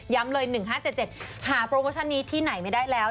เลย๑๕๗๗หาโปรโมชั่นนี้ที่ไหนไม่ได้แล้ว